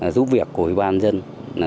giúp việc của ủy ban dân